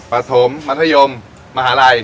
ปฐมมัธยมมหาลัย